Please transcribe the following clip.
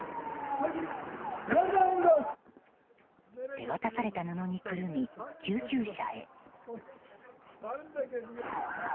手渡された布にくるみ救急車へ。